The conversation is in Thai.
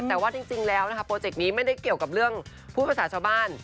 แต่ว่าจริงแล้วนะคะโปรเจกต์นี้ไม่ได้เกี่ยวกับเรื่องพูดภาษาชาวบ้าน